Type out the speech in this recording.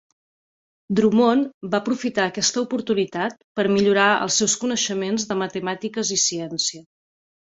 Drummond va aprofitar aquesta oportunitat per millorar els seus coneixements de matemàtiques i ciència.